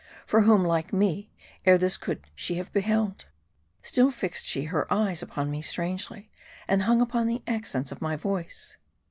For whom, like me, ere this could she have beheld ? Still fixed she her eyes upon me strangely, and hung upon the accents of my voice.